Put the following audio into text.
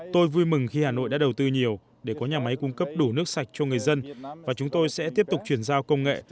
tôi vui mừng khi hà nội đã đầu tư nhiều để có nhà máy cung cấp đủ nước sạch cho người dân và chúng tôi sẽ tiếp tục chuyển giao công nghệ